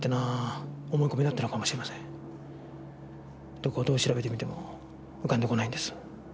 どこをどう調べてみても浮かんでこないんです。